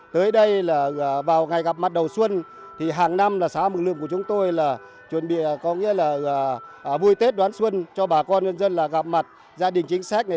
tới đây là vào ngày gặp mặt đầu xuân thì hàng năm là xã mừng lượng của chúng tôi là chuẩn bị có nghĩa là vui tết đón xuân cho bà con nhân dân là gặp mặt gia đình chính sách này